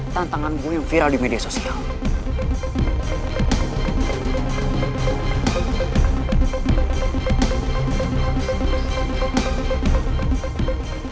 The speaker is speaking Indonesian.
tantangan gue yang viral di media sosial